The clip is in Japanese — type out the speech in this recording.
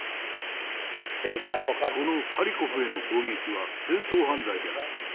このハリコフへの攻撃は戦争犯罪である。